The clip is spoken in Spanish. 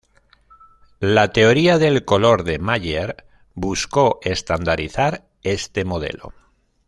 La teoría del color de Mayer buscó estandarizar este modelo.